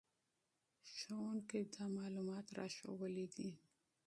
استاد دا معلومات راښوولي دي.